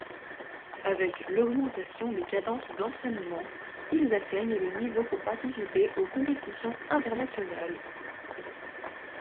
Avec l'augmentation des cadences d’entraînement, ils atteignent le niveau pour participer aux compétitions internationales.